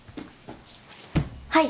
はい。